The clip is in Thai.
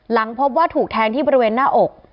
หลังพบว่าถูกแทงที่บริเวณหน้าอก